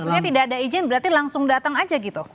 maksudnya tidak ada izin berarti langsung datang aja gitu